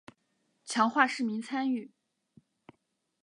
强化市民参与